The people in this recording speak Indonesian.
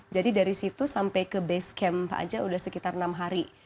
jadi dari situ sampai ke base camp aja udah sekitar enam hari